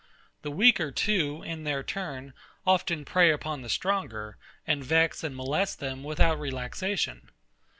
The weaker too, in their turn, often prey upon the stronger, and vex and molest them without relaxation.